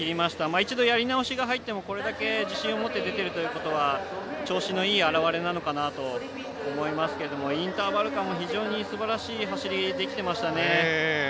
一度、やり直しが入ってもこれだけ自信を持って出てるということは調子のいい表れなのかなと思いますけどインターバル間も非常にすばらしい走りできていましたね。